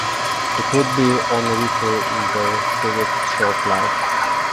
It would be only victory in the Civics' short life.